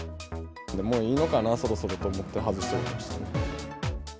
もういいのかな、そろそろと思って外しちゃいました。